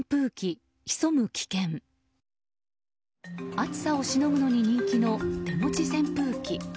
暑さをしのぐのに人気の手持ち扇風機。